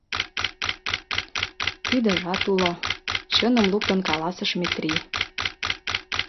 — Тидыжат уло, — чыным луктын каласыш Метрий.